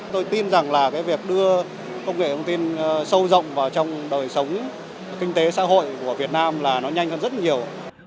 tôi tin rằng là cái việc đưa công nghệ thông tin sâu rộng vào trong đời sống kinh tế xã hội của việt nam là nó nhanh hơn rất nhiều